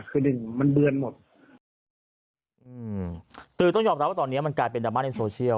คือหนึ่งมันเบือนหมดอืมคือต้องยอมรับว่าตอนเนี้ยมันกลายเป็นดราม่าในโซเชียล